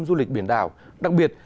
du lịch biển đảo đặc biệt